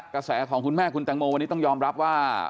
กระแสของคุณแม่คุณแตงโมวันนี้ต้องยอมรับว่า